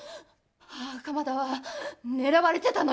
袴田は狙われてたのよ。